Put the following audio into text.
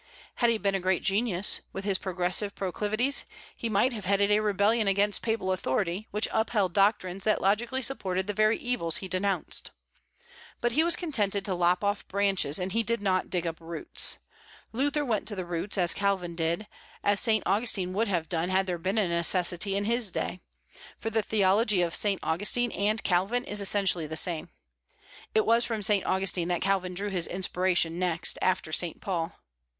Had he been a great genius, with his progressive proclivities, he might have headed a rebellion against papal authority, which upheld doctrines that logically supported the very evils he denounced. But he was contented to lop off branches; he did not dig up the roots. Luther went to the roots, as Calvin did; as Saint Augustine would have done had there been a necessity in his day, for the theology of Saint Augustine and Calvin is essentially the same. It was from Saint Augustine that Calvin drew his inspiration next after Saint Paul.